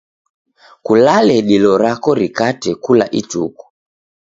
Kulale dilo rako rikate kula ituku.